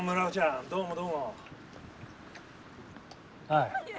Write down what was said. はい。